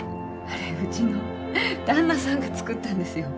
あれうちの旦那さんが作ったんですよ。